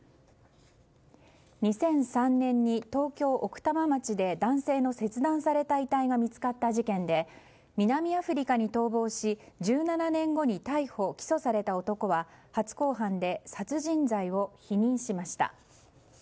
２００３年に東京・奥多摩町で男性の切断された遺体が見つかった事件で南アフリカに逃亡し１７年後に逮捕・起訴された男は初公判で殺人罪を否認しました。